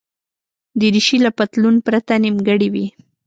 دریشي له پتلون پرته نیمګړې وي.